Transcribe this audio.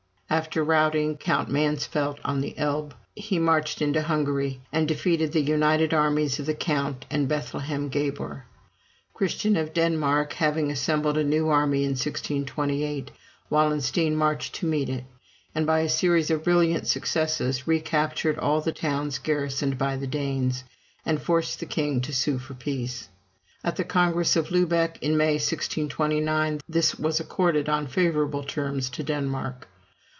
After routing Count Mansfeldt on the Elbe, he marched into Hungary, and defeated the united armies of the count and Bethlem Gabor. Christian of Denmark having assembled a new army in 1628, Wallenstein marched to meet it; and, by a series of brilliant successes, recaptured all the towns garrisoned by the Danes, and forced the king to sue for peace. At the Congress of Lubeck, in May, 1629, this was accorded on favorable terms to Denmark.